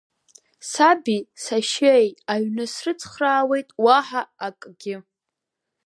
Саби сашьеи аҩны срыцхыраауеит, уаҳа акгьы.